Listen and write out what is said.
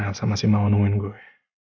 saya masih mau nungguin gue